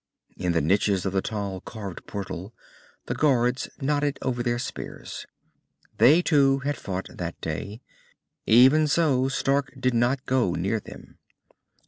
In the niches of the tall, carved portal, the guards nodded over their spears. They, too, had fought that day. Even so, Stark did not go near them.